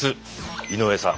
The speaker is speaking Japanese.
井上さん。